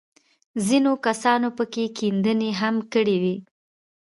ځينو کسانو پکښې کيندنې هم کړې وې.